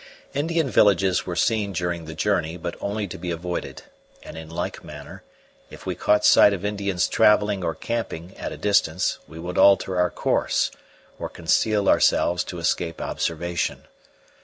Indian villages were seen during the journey, but only to be avoided; and in like manner, if we caught sight of Indians travelling or camping at a distance, we would alter our course, or conceal ourselves to escape observation.